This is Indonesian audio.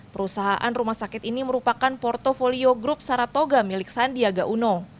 perusahaan rumah sakit ini merupakan portofolio grup saratoga milik sandiaga uno